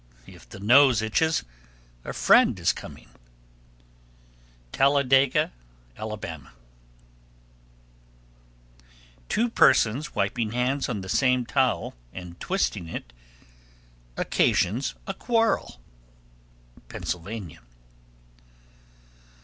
If the nose itches, a friend is coming. Talladega, Ala. 1293. Two persons wiping hands on the same towel and twisting it occasions a quarrel. _Pennsylvania.